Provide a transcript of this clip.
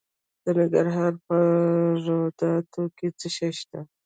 د ننګرهار په روداتو کې څه شی شته؟